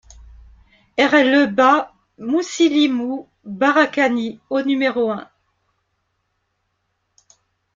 RLE BA MOUSSILIMOU BARAKANI au numéro un